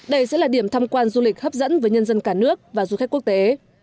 đây sẽ là điểm tham quan du lịch hấp dẫn với nhân dân cả nước và du khách quốc tế